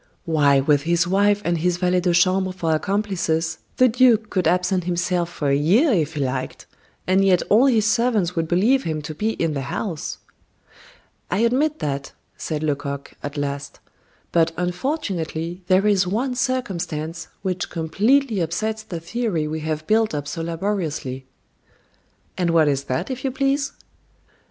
"Why with his wife and his valet de chambre for accomplices, the duke could absent himself for a year if he liked, and yet all his servants would believe him to be in the house." "I admit that," said Lecoq, at last; "but unfortunately, there is one circumstance which completely upsets the theory we have built up so laboriously." "And what is that if you please?"